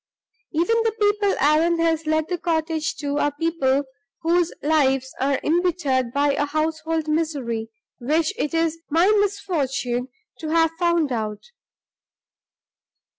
"Even the people Allan has let the cottage to are people whose lives are imbittered by a household misery which it is my misfortune to have found out!"